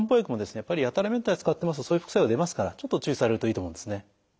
やっぱりやたらめったら使ってますとそういう副作用が出ますからちょっと注意されるといいと思うんですね。